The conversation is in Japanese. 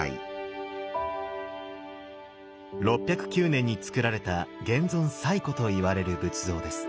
６０９年につくられた現存最古といわれる仏像です。